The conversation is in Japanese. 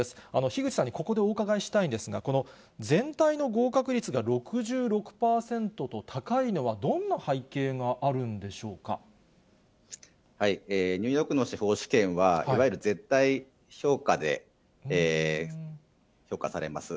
樋口さんにここでお伺いしたいんですが、この全体の合格率が６６％と高いのは、どんな背景があるんでしょニューヨークの司法試験は、いわゆる絶対評価で評価されます。